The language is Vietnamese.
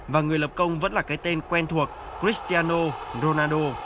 và người lập công vẫn là cái tên quen thuộc christiano ronaldo